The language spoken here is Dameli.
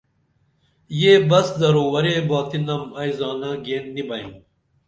یہ بس درو ورے باتی نم ائی زانہ گین نی بئیم